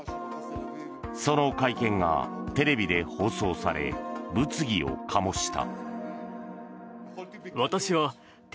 その会見がテレビで放送され物議を醸した。